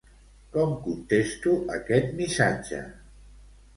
Com contesto aquest missatge?